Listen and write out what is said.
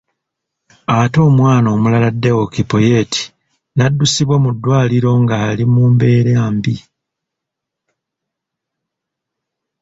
Ate omwana omulala Deo Kipoyet n'addusibwa mu ddwaliro nga ali mu mbeera mbi.